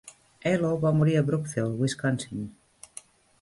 Elo va morir a Brookfield, Wisconsin.